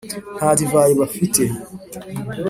nta divayi bafite